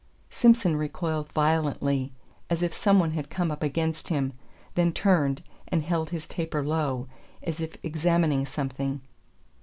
Simson recoiled violently, as if some one had come up against him, then turned, and held his taper low, as if examining something.